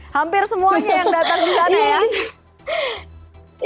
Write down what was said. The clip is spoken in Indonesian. hampir semuanya yang datang ke sana ya